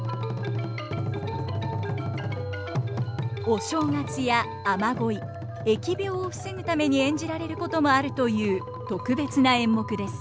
お正月や雨乞い疫病を防ぐために演じられることもあるという特別な演目です。